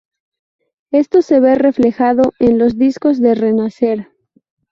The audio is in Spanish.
Esto se ve reflejado en los discos de Renacer.